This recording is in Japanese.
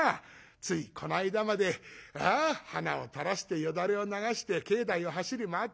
ついこないだまではなを垂らしてよだれを流して境内を走り回っておったがああ